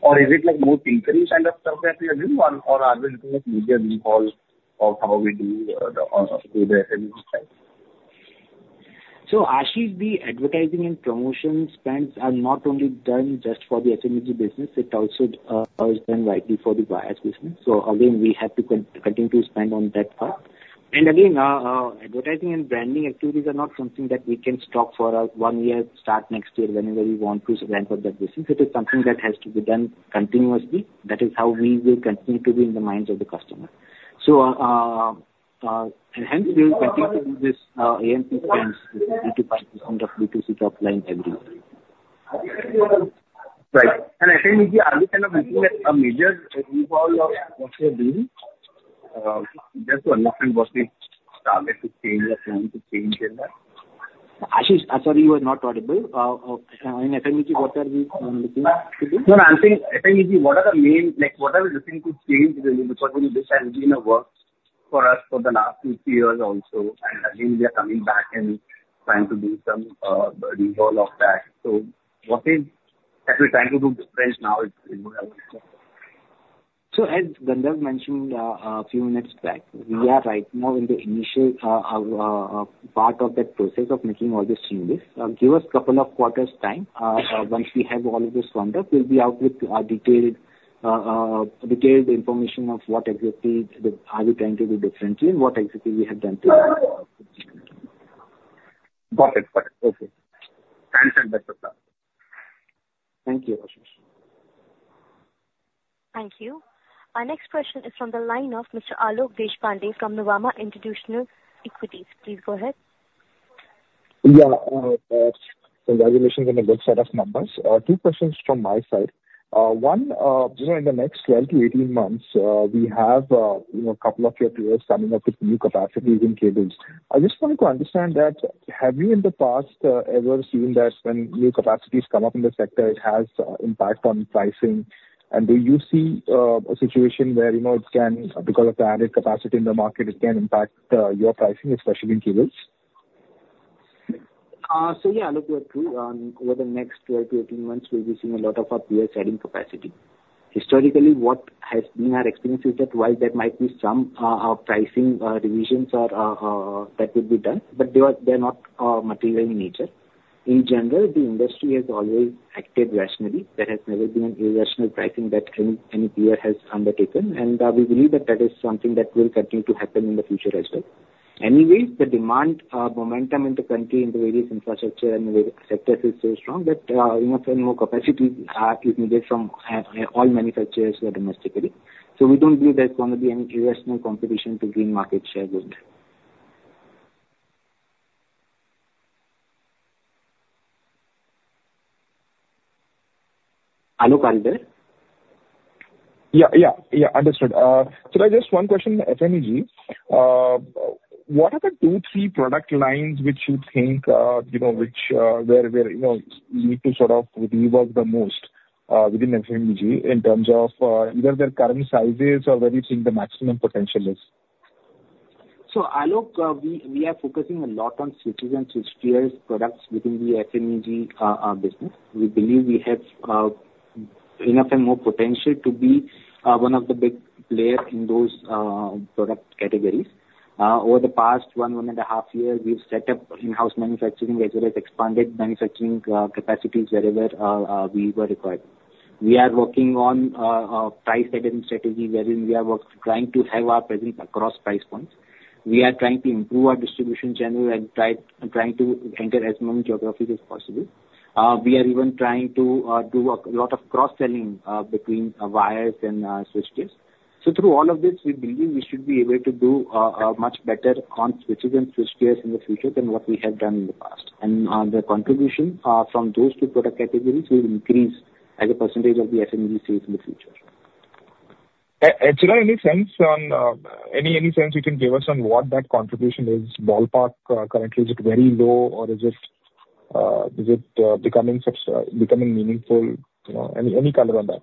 Or is it like more tinkering kind of stuff that we are doing? Or are we looking at major revamp of how we do the FMEG side? So Ashish, the advertising and promotion spends are not only done just for the FMEG business, it also is done widely for the wires business. So again, we have to continue to spend on that part. And again, advertising and branding activities are not something that we can stop for one year, start next year, whenever we want to ramp up that business. It is something that has to be done continuously. That is how we will continue to be in the minds of the customer. So, and hence, we will continue to do this AMP spends 3%-5% of B2C top line every year. Right. And FMEG, are we kind of looking at a major revamp of what we are doing? Just to understand what is the target to change or planning to change in that. Ashish, I'm sorry, you were not audible. In FMEG, what are we looking to do? No, I'm saying FMEG, what are the main... Like, what are we looking to change, really? Because this has been a work for us for the last two, three years also, and again, we are coming back and trying to do some, revolve of that. So what is, as we're trying to do different now is what I would say. As Gandharv mentioned, a few minutes back, we are right now in the initial part of that process of making all these changes. Give us couple of quarters time. Once we have all of this warmed up, we'll be out with a detailed information of what exactly are we trying to do differently and what exactly we have done to date. Got it. Got it. Okay. Thanks, and that's all. Thank you, Ashish. Thank you. Our next question is from the line of Mr. Alok Deshpande from Nuvama Institutional Equities. Please go ahead. Yeah, congratulations on a good set of numbers. Two questions from my side. One, you know, in the next 12-18 months, we have, you know, a couple of your peers coming up with new capacities in cables. I just wanted to understand that, have you, in the past, ever seen that when new capacities come up in the sector, it has, impact on pricing? And do you see, a situation where, you know, it can, because of the added capacity in the market, it can impact, your pricing, especially in cables? So yeah, Alok, you are true. Over the next 12-18 months, we'll be seeing a lot of our peers adding capacity. Historically, what has been our experience is that while there might be some pricing revisions or that would be done, but they are not material in nature. In general, the industry has always acted rationally. There has never been an irrational pricing that any peer has undertaken, and we believe that that is something that will continue to happen in the future as well. Anyways, the demand momentum in the country in the various infrastructure and the various sectors is so strong that you know, more capacities are needed from all manufacturers domestically. So we don't believe there's going to be any irrational competition to gain market share build. Alok, are you there? Yeah, yeah, yeah, understood. So, I just one question on FMEG. What are the two, three product lines which you think, you know, where you need to sort of rework the most within FMEG in terms of either their current sizes or where you think the maximum potential is? So Alok, we are focusing a lot on switches and switchgears products within the FMEG business. We believe we have enough and more potential to be one of the big player in those product categories. Over the past one and a half years, we've set up in-house manufacturing as well as expanded manufacturing capacities wherever we were required. We are working on price setting strategy, wherein we are trying to have our presence across price points. We are trying to improve our distribution channel and trying to enter as many geographies as possible. We are even trying to do a lot of cross-selling between wires and switchgears. So through all of this, we believe we should be able to do a much better on switches and switchgears in the future than what we have done in the past. The contribution from those two product categories will increase as a percentage of the FMEG sales in the future. And Chirayu, any sense you can give us on what that contribution is? Ballpark, currently, is it very low or is it becoming meaningful? You know, any color on that?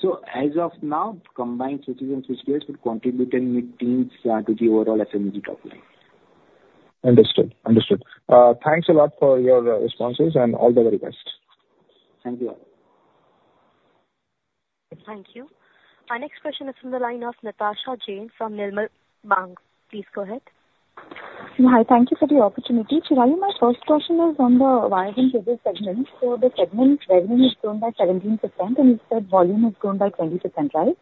So as of now, combined switches and switchgears would contribute in mid-teens to the overall FMEG top line. Understood. Understood. Thanks a lot for your responses, and all the very best. Thank you, Alok. Thank you. Our next question is from the line of Natasha Jain from Nirmal Bang. Please go ahead. ... Hi, thank you for the opportunity. Chirayu, my first question is on the wiring cable segment. So the segment's revenue has grown by 17%, and you said volume has grown by 20%, right?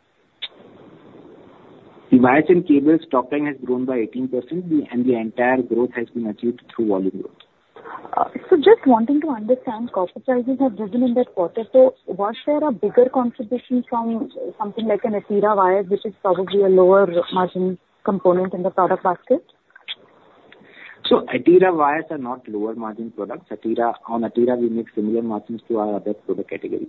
The wires and cables standalone has grown by 18%, and the entire growth has been achieved through volume growth. So just wanting to understand, copper prices have risen in that quarter, so was there a bigger contribution from something like an Etira wire, which is probably a lower margin component in the product basket? So Etira wires are not lower margin products. Etira, on Etira, we make similar margins to our other product categories.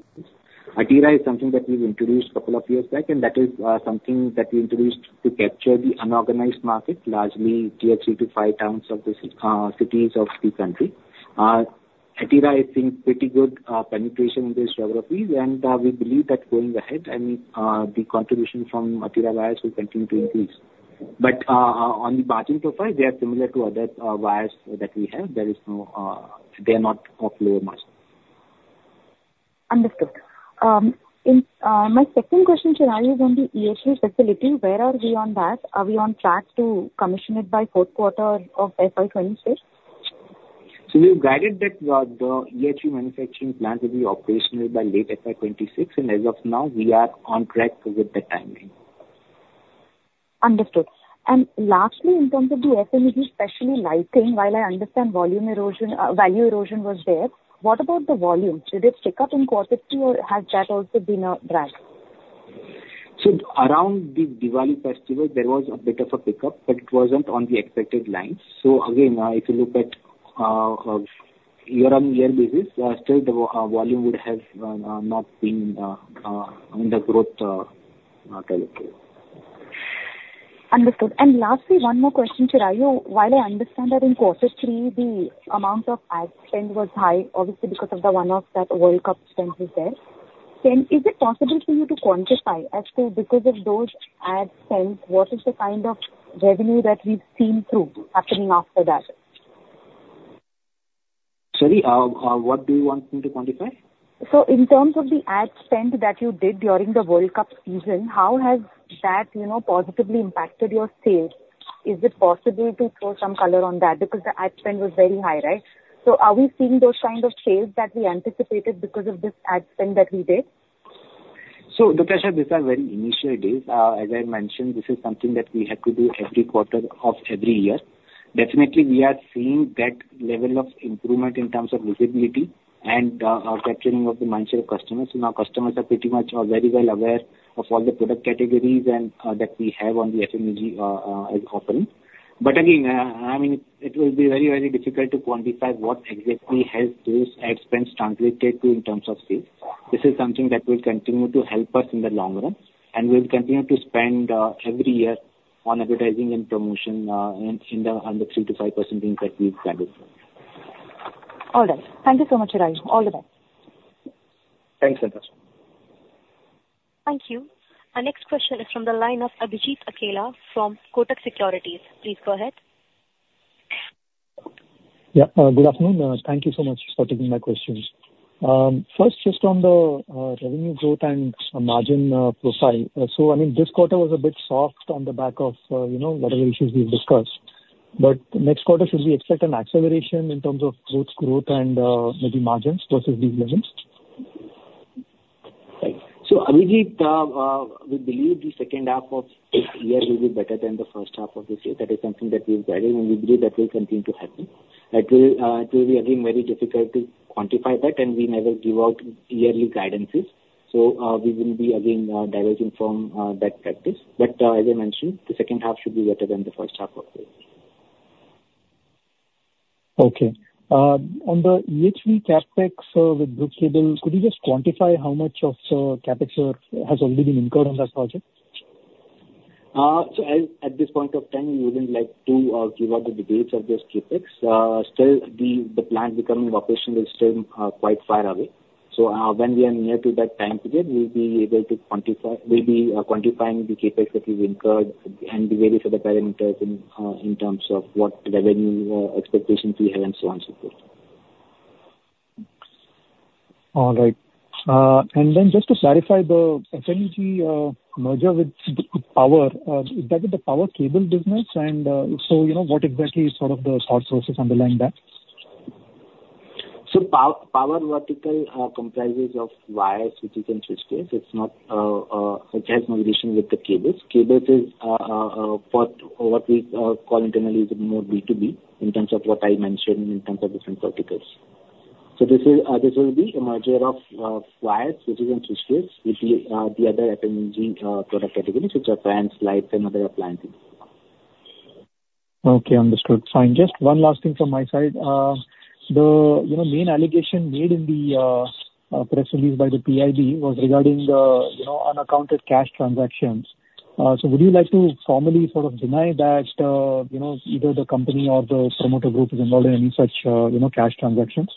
Etira is something that we've introduced couple of years back, and that is something that we introduced to capture the unorganized market, largely tier three to five towns of this cities of the country. Etira is seeing pretty good penetration in these geographies, and we believe that going ahead, I mean, the contribution from Etira wires will continue to increase. But on the margin profile, they are similar to other wires that we have. There is no they are not of lower margin. Understood. In my second question, Chirayu, is on the EHV facility. Where are we on that? Are we on track to commission it by fourth quarter of FY 2026? We have guided that the EHV manufacturing plant will be operational by late FY 2026, and as of now, we are on track with the timeline. Understood. Lastly, in terms of the FMEG, especially lighting, while I understand volume erosion, value erosion was there, what about the volume? Did it pick up in quarter two, or has that also been drag? So around the Diwali festival, there was a bit of a pickup, but it wasn't on the expected lines. So again, if you look at year-on-year basis, still the volume would have not been in the growth. Understood. Lastly, one more question, Chirayu. While I understand that in quarter three, the amount of ad spend was high, obviously because of the one-off that World Cup spend was there, then is it possible for you to quantify as to, because of those ad spends, what is the kind of revenue that we've seen through happening after that? Sorry, what do you want me to quantify? So in terms of the ad spend that you did during the World Cup season, how has that, you know, positively impacted your sales? Is it possible to throw some color on that? Because the ad spend was very high, right? So are we seeing those kind of sales that we anticipated because of this ad spend that we did? So, Natasha, these are very initial days. As I mentioned, this is something that we have to do every quarter of every year. Definitely, we are seeing that level of improvement in terms of visibility and, capturing of the mindset of customers. So now customers are pretty much or very well aware of all the product categories and, that we have on the FMEG, offering. But again, I mean, it will be very, very difficult to quantify what exactly has those ad spends translated to in terms of sales. This is something that will continue to help us in the long run, and we'll continue to spend, every year on advertising and promotion, in, in the, on the 3%-5% things that we've guided for. All right. Thank you so much, Chirayu. All the best. Thanks, Natasha. Thank you. Our next question is from the line of Abhijit Akela from Kotak Securities. Please go ahead. Yeah. Good afternoon. Thank you so much for taking my questions. First, just on the revenue growth and margin profile. So I mean, this quarter was a bit soft on the back of you know, whatever issues we've discussed. But next quarter, should we expect an acceleration in terms of growth, growth, and maybe margins versus these levels? Right. So, Abhijit, we believe the second half of this year will be better than the first half of this year. That is something that we have guided, and we believe that will continue to happen. It will, it will be again, very difficult to quantify that, and we never give out yearly guidances. So, we will be again, diverging from, that practice. But, as I mentioned, the second half should be better than the first half of this. Okay. On the EHV CapEx with Brugg Cables, could you just quantify how much of CapEx has already been incurred on that project? So as at this point of time, we wouldn't like to give out the details of this CapEx. Still, the plant becoming operational is still quite far away. So, when we are near to that time period, we'll be able to quantify, we'll be quantifying the CapEx that we've incurred and the various other parameters in terms of what revenue expectations we have and so on, so forth. All right. And then just to clarify the FMEG merger with power, is that with the power cable business? And so, you know, what exactly is sort of the thought process underlying that? So power vertical comprises of wires, switches, and switchgear. It's not, it has no relation with the cables. Cables is what we call internally is more B2B in terms of what I mentioned in terms of different verticals. So this will be a merger of wires, switches and switchgear, with the other FMEG product categories, which are fans, lights, and other appliances. Okay, understood. Fine. Just one last thing from my side. The, you know, main allegation made in the press release by the PIB was regarding the, you know, unaccounted cash transactions. So would you like to formally sort of deny that, you know, either the company or the promoter group is involved in any such, you know, cash transactions?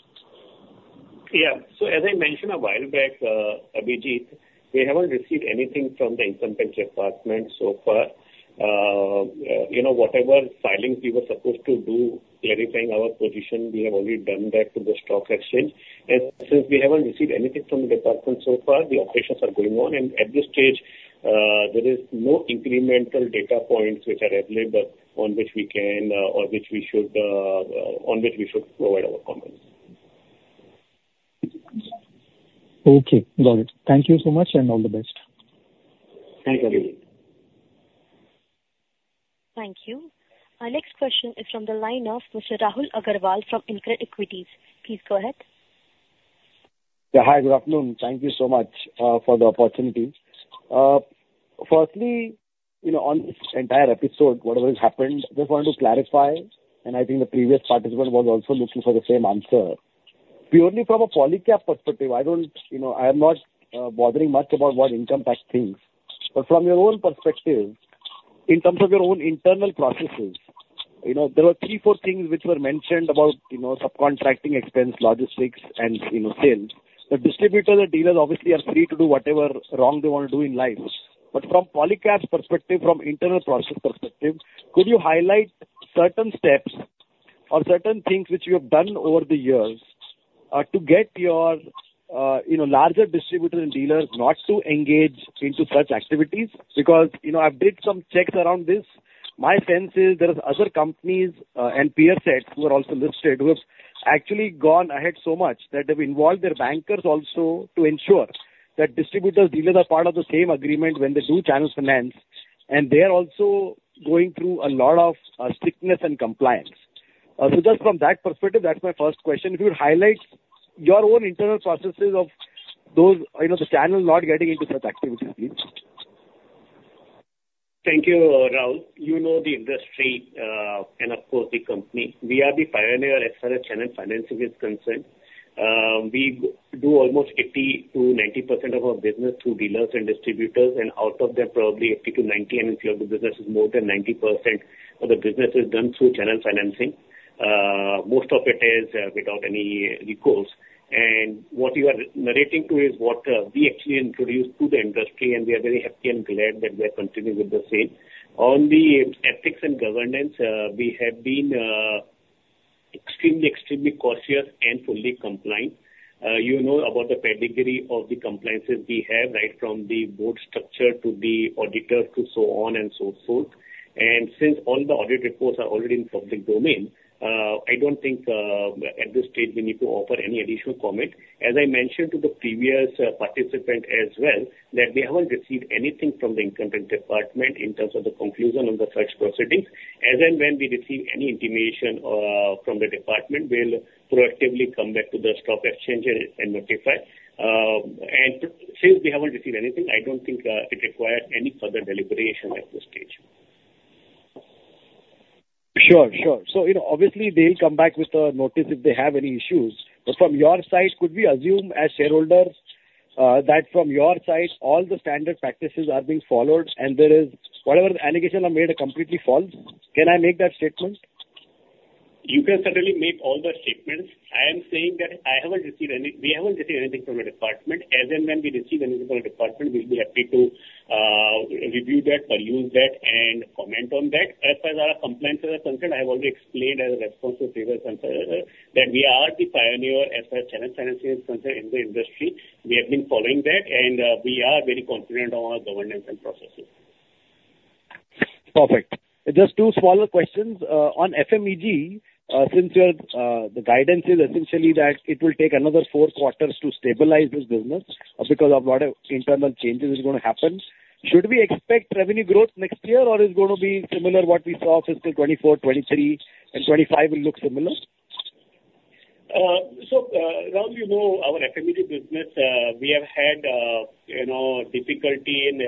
Yeah. So as I mentioned a while back, Abhijit, we haven't received anything from the Income Tax Department so far. You know, whatever filings we were supposed to do, clarifying our position, we have already done that to the stock exchange. And since we haven't received anything from the department so far, the operations are going on, and at this stage, there is no incremental data points which are available on which we can, or which we should, on which we should provide our comments.... Okay, got it. Thank you so much, and all the best. Thank you. Thank you. Our next question is from the line of Mr. Rahul Agarwal from Incred Equities. Please go ahead. Yeah. Hi, good afternoon. Thank you so much for the opportunity. Firstly, you know, on this entire episode, whatever has happened, I just want to clarify, and I think the previous participant was also looking for the same answer. Purely from a Polycab perspective, I don't, you know, I am not bothering much about what Income Tax thinks. But from your own perspective, in terms of your own internal processes, you know, there were three, four things which were mentioned about, you know, subcontracting expense, logistics, and, you know, sales. The distributors and dealers obviously are free to do whatever wrong they want to do in life. But from Polycab's perspective, from internal process perspective, could you highlight certain steps or certain things which you have done over the years to get your, you know, larger distributors and dealers not to engage into such activities? Because, you know, I've did some checks around this. My sense is there are other companies, and peer sets who are also listed, who have actually gone ahead so much that they've involved their bankers also to ensure that distributors, dealers are part of the same agreement when they do channel finance, and they are also going through a lot of, strictness and compliance. So just from that perspective, that's my first question: If you would highlight your own internal processes of those, you know, the channel not getting into such activities, please? Thank you, Rahul. You know the industry, and of course, the company. We are the pioneer as far as channel financing is concerned. We do almost 80%-90% of our business through dealers and distributors, and out of them, probably 80%-90%, and in few of the businesses, more than 90% of the business is done through channel financing. Most of it is without any recalls. And what you are narrating to is what we actually introduced to the industry, and we are very happy and glad that they're continuing with the same. On the ethics and governance, we have been extremely, extremely cautious and fully compliant. You know about the pedigree of the compliances we have, right from the board structure to the auditors to so on and so forth. Since all the audit reports are already in public domain, I don't think at this stage we need to offer any additional comment. As I mentioned to the previous participant as well, that we haven't received anything from the Income Tax Department in terms of the conclusion on the first proceedings. As and when we receive any intimation from the department, we'll proactively come back to the stock exchange and notify. Since we haven't received anything, I don't think it requires any further deliberation at this stage. Sure, sure. So, you know, obviously they'll come back with a notice if they have any issues. But from your side, could we assume as shareholders, that from your side, all the standard practices are being followed and there is... Whatever the allegations are made are completely false? Can I make that statement? You can certainly make all the statements. I am saying that I haven't received any. We haven't received anything from the department. As and when we receive anything from the department, we'll be happy to review that, peruse that, and comment on that. As far as our compliance are concerned, I've already explained as a response to previous answer, that we are the pioneer as far as channel financing is concerned in the industry. We have been following that, and we are very confident of our governance and processes. Perfect. Just two smaller questions. On FMEG, since your the guidance is essentially that it will take another four quarters to stabilize this business because of lot of internal changes is going to happen, should we expect revenue growth next year, or is it going to be similar to what we saw fiscal 2024, 2023, and 2025 will look similar? So, Rahul, you know, our FMEG business, we have had, you know, difficulty in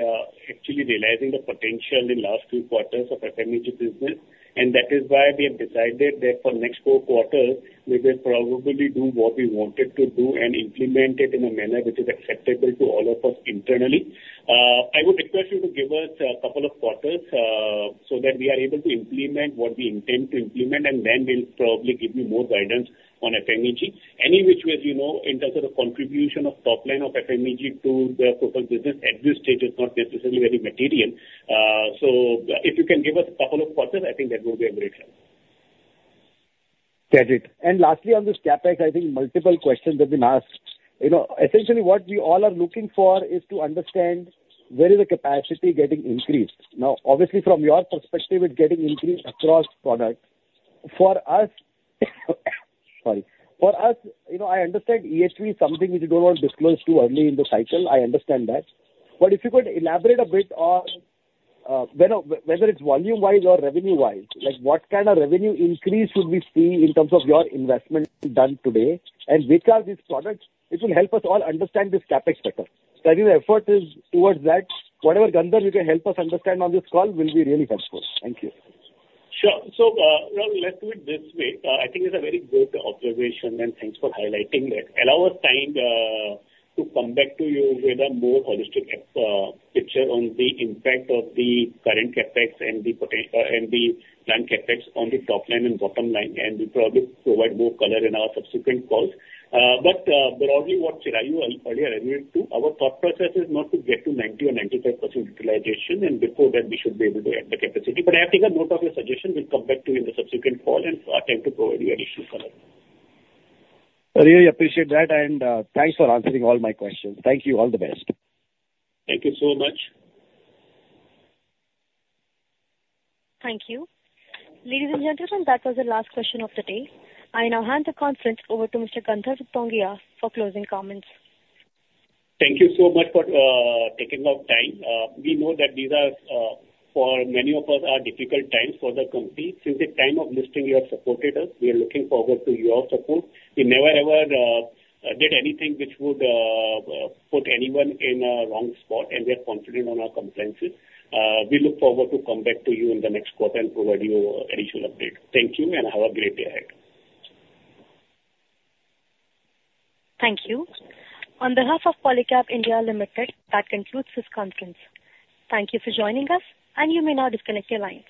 actually realizing the potential in last few quarters of FMEG business, and that is why we have decided that for next four quarters, we will probably do what we wanted to do and implement it in a manner which is acceptable to all of us internally. I would request you to give us a couple of quarters, so that we are able to implement what we intend to implement, and then we'll probably give you more guidance on FMEG. Any which way, you know, in terms of the contribution of top line of FMEG to the total business, at this stage is not necessarily very material. So if you can give us a couple of quarters, I think that would be a great time. Got it. Lastly, on this CapEx, I think multiple questions have been asked. You know, essentially, what we all are looking for is to understand where the capacity is getting increased. Now, obviously, from your perspective, it's getting increased across products. For us, sorry. For us, you know, I understand EHV is something which you don't want to disclose too early in the cycle. I understand that. But if you could elaborate a bit on whether it's volume-wise or revenue-wise, like what kind of revenue increase should we see in terms of your investment done today, and which are these products? It will help us all understand this CapEx better. So any effort is towards that. Whatever guidance you can help us understand on this call will be really helpful. Thank you. Sure. So, Rahul, let's do it this way. I think it's a very good observation, and thanks for highlighting that. Allow us time to come back to you with a more holistic picture on the impact of the current CapEx and the planned CapEx on the top line and bottom line, and we'll probably provide more color in our subsequent calls. But, broadly, what Chirayu earlier alluded to, our thought process is not to get to 90% or 95% utilization, and before that, we should be able to add the capacity. But I have taken a note of your suggestion. We'll come back to you in the subsequent call, and I'll attempt to provide you additional color. I really appreciate that, and, thanks for answering all my questions. Thank you. All the best. Thank you so much. Thank you. Ladies and gentlemen, that was the last question of the day. I now hand the conference over to Mr. Gandharv Tongia for closing comments. Thank you so much for taking out time. We know that these are, for many of us, difficult times for the company. Since the time of listing, you have supported us. We are looking forward to your support. We never, ever, did anything which would put anyone in a wrong spot, and we are confident on our compliances. We look forward to come back to you in the next quarter and provide you additional update. Thank you, and have a great day ahead. Thank you. On behalf of Polycab India Limited, that concludes this conference. Thank you for joining us, and you may now disconnect your lines.